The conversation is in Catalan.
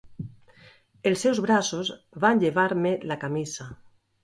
Els seus braços van llevar-me la camisa.